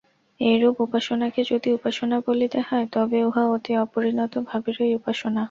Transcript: এইরূপ উপাসনাকে যদি উপাসনা বলিতে হয়, তবে উহা অতি অপরিণত ভাবেরই উপাসনা।